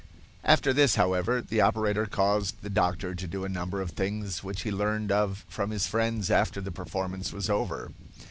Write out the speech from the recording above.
After this, however, the operator caused the doctor to do a number of things which he learned of from his friends after the performance was over.